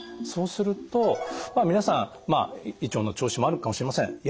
そうするとまあ皆さん胃腸の調子もあるかもしれません。